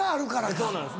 そうなんです。